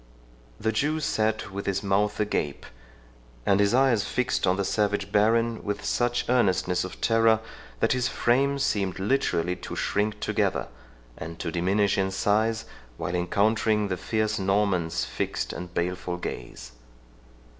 The Jew sat with his mouth agape, and his eyes fixed on the savage baron with such earnestness of terror, that his frame seemed literally to shrink together, and to diminish in size while encountering the fierce Norman's fixed and baleful gaze.